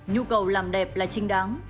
nhu cầu làm đẹp là trinh đáng